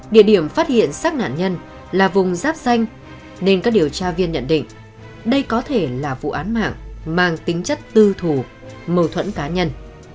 địa điểm phát hiện xác nạn nhân là vùng giáp danh nên các điều tra viên nhận định đây có thể là vụ án mạng mang tính chất tư thủ mâu thuẫn cá nhân